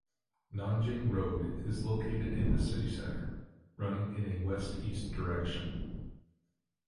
Nanjing Road is located in the city center, running in a west-east direction.